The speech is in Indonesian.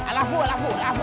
alahfu alahfu alahfu